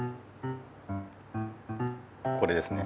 これですね。